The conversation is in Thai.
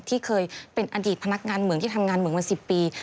ที่เคยเป็นอดีตพนักงานเหมืองที่ทำงานเหมืองมา๑๐ปี